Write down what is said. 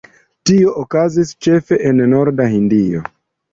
Tio okazis ĉefe en norda Hindio.